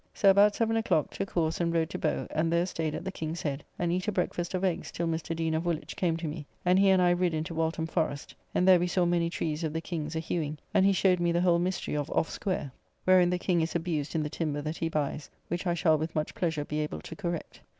So about seven o'clock took horse and rode to Bowe, and there staid at the King's Head, and eat a breakfast of eggs till Mr. Deane of Woolwich came to me, and he and I rid into Waltham Forest, and there we saw many trees of the King's a hewing; and he showed me the whole mystery of off square, [Off square is evidently a mistake, in the shorthand MS., for half square.] wherein the King is abused in the timber that he buys, which I shall with much pleasure be able to correct.